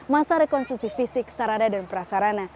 masa rekonstruksi fisik sarana dan prasarana